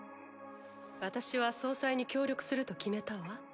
私は総裁に協力すると決めたわ。